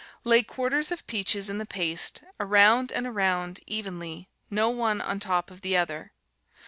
Lay quarters of peaches in the paste, around and around, evenly, no one on top of the other.